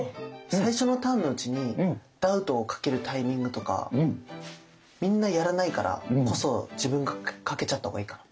最初のターンのうちにダウトをかけるタイミングとかみんなやらないからこそ自分がかけちゃった方がいいかな？